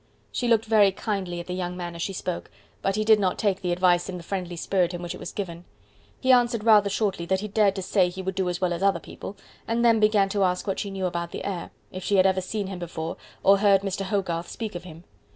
She looked very kindly at the young man as she spoke, but he did not take the advice in the friendly spirit in which it was given. He answered rather shortly, that he dared to say he would do as well as other people, and then began to ask what she knew about the heir, if she had ever seen him before, or heard Mr. Hogarth speak of him.